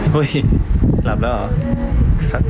หุ้ยหลับแล้วเหรอ